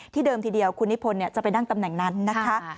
เดิมทีเดียวคุณนิพนธ์จะไปนั่งตำแหน่งนั้นนะคะ